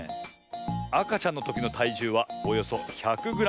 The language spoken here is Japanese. あかちゃんのときのたいじゅうはおよそ１００グラム。